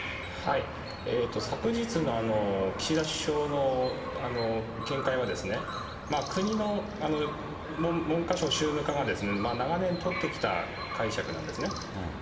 昨日の岸田首相の見解は、国の文科省宗務課が長年取ってきた解釈なんですね。